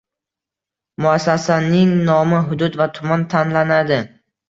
Muassasaning nomi hudud va tuman tanlanadi.